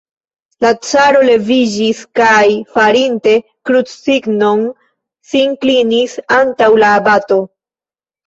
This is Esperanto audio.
La caro leviĝis kaj, farinte krucsignon, sin klinis antaŭ la abato.